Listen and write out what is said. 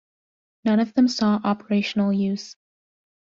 None of them saw operational use.